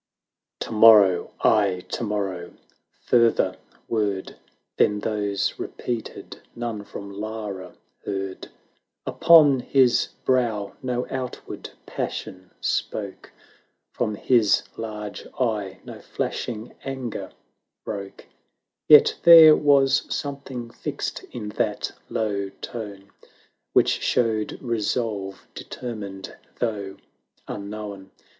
XXIV. "To morrow !— aye, to morrov/ !" fur ther word, 490 Than those repeated, none from Lara heard ; Upon his brow no outward passion spoke ; From his large eye no flashing anger broke ; Yet there was something fixed in that low tone. Which showed resolve, determined, though unknown.